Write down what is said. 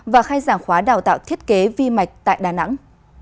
và khai giảng khóa đào tạo thiết kế vi mạch tại đà nẵng